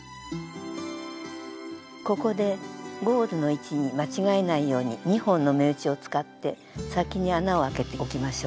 ここでゴールの位置に間違えないように２本の目打ちを使って先に穴をあけておきましょう。